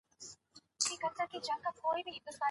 څنګه هوایي حریم پر نورو هیوادونو اغیز کوي؟